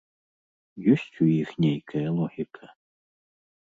Ёсць у іх нейкая логіка?